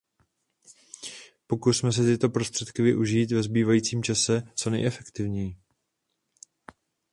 Pokusme se tyto prostředky využít ve zbývajícím čase co nejefektivněji.